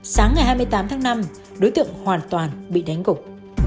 sáng ngày hai mươi tám tháng năm đối tượng hoàn toàn bị đánh cục